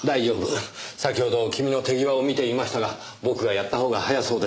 先ほど君の手際を見ていましたが僕がやったほうが早そうです。